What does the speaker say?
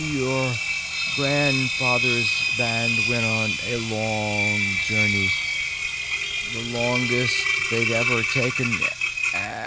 "Your grandfather's band went on a long journey, the longest they'd ever taken.